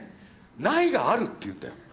「ない」があるっていうんだよ。